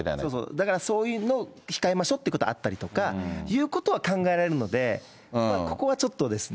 だから、そういうのを控えましょうということはあったりとかということは考えられるので、ここはちょっと。